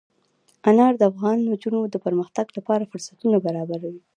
انار د افغان نجونو د پرمختګ لپاره فرصتونه برابروي.